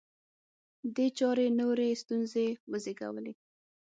دې چارې نورې ستونزې وزېږولې